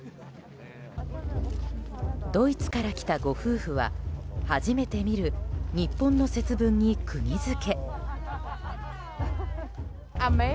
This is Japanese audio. ドイツから来たご夫婦は初めて見る日本の節分に釘付け。